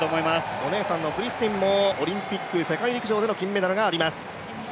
お姉さんもオリンピック、世界陸上での金メダルがあります。